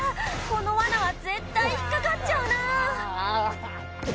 この罠は絶対引っかかっちゃうな！